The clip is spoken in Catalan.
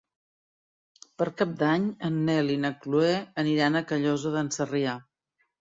Per Cap d'Any en Nel i na Chloé aniran a Callosa d'en Sarrià.